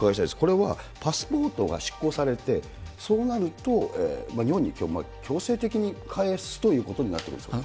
これはパスポートが失効されて、そうなると日本に強制的に帰すということになってくるんですか？